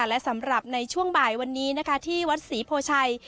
และสำหรับในช่วงบ่ายวันนี้นะคะที่วัดศรีโพชัย